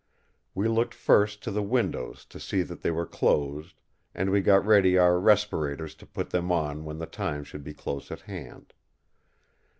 We looked first to the windows to see that they were closed, and we got ready our respirators to put them on when the time should be close at hand.